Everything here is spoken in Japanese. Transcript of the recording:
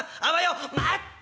「待って。